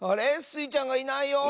スイちゃんがいないよ！